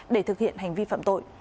để thực hiện hành vi phạm tội